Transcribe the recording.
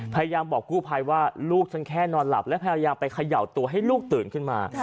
พยายามบอกกู้ภัยว่าลูกฉันแค่นอนหลับและพยายามไปเขย่าตัวให้ลูกตื่นขึ้นมา